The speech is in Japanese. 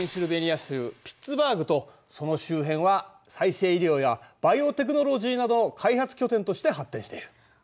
州ピッツバーグとその周辺は再生医療やバイオテクノロジーなど開発拠点として発展している。